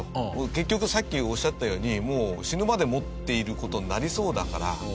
結局さっきおっしゃったように死ぬまで持っている事になりそうだから。